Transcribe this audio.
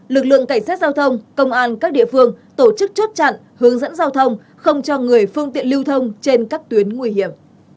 lực lượng cảnh sát giao thông công an các địa phương tổ chức chốt chặn hướng dẫn giao thông không cho người phương tiện lưu thông trên các tuyến nguy hiểm